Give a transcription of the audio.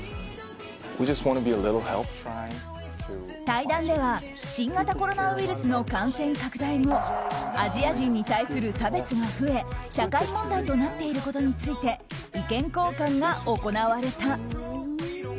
対談では新型コロナウイルスの感染拡大後アジア人に対する差別が増え社会問題となっていることについて意見交換が行われた。